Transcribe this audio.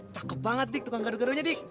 cakep banget dik tukang gado gado nya dik